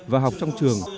và học trong trường